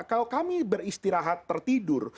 kalau kami beristirahat tertidur